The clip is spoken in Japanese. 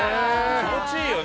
気持ちいいよね